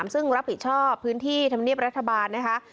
ซึ่งรับผิดชอบพื้นที่ธรรมเนียบรัฐบาลนะคะ